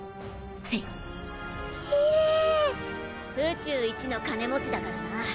宇宙一の金持ちだからな。